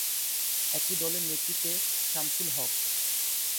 একটি দলের নেতৃত্বে শামসুল হক।